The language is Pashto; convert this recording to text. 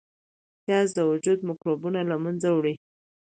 پیاز د وجود میکروبونه له منځه وړي